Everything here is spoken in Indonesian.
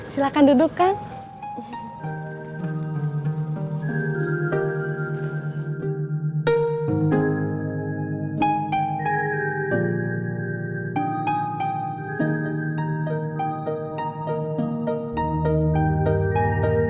silahkan duduk kak